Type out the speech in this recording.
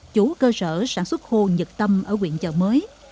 chủ cơ sở sản xuất khô nhật tâm ở quyện chợ mới